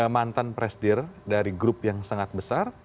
mantan presidir dari grup yang sangat besar